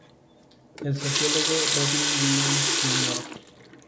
El sociólogo Robin Williams Jr.